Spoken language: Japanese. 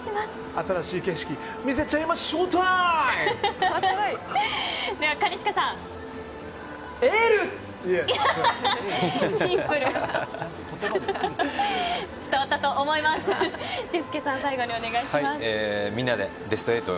新しい景色見せちゃいまショータイム！